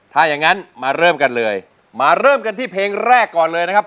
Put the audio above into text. ถ้าอย่างนั้นมาเริ่มกันเลยมาเริ่มกันที่เพลงแรกก่อนเลยนะครับ